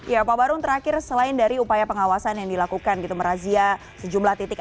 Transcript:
ya pak barung terakhir selain dari upaya pengawasan yang dilakukan gitu merazia sejumlah titik